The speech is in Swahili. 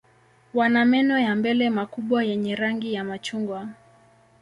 Wana meno ya mbele makubwa yenye rangi ya machungwa.